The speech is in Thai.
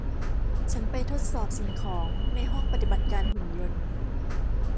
ฉันไปทดสอบสิ่งของในห้องปฏิบัติการหุ่นยนต์